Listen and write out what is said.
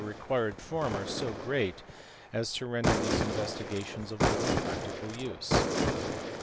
required form are so great as to render these investigations of little practical use.